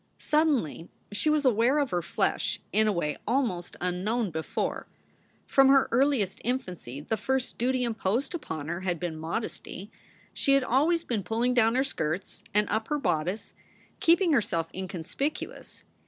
Suddenly she was aware of her flesh in a way almost unknown before. From her earliest infancy the first duty imposed upon her had been modesty. She had always been pulling down her skirts and up her bodice, keeping herself inconspicuous.